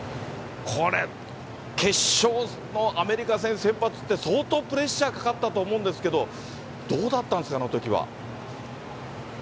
これ、決勝のアメリカ戦先発って、相当プレッシャーかかったと思うんですけれども、どうだったんですか、あのときは。